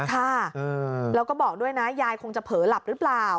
ค่ะแล้วก็บอกด้วยนะยายคงจะเผลอหลับหรือเปล่า